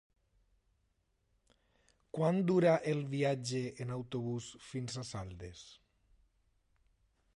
Quant dura el viatge en autobús fins a Saldes?